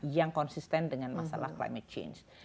yang konsisten dengan masalah climate change